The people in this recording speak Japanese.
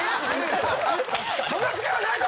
そんな力ないぞ！